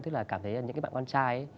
tức là cảm thấy là những cái bạn con trai ấy